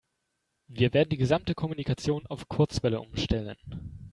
Wir werden die gesamte Kommunikation auf Kurzwelle umstellen.